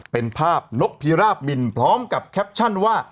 เป็นภาพนกพิราบบินพร้อมกับแคปชั่นว่า